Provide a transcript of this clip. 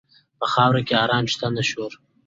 په خاوره کې آرام شته، نه شور.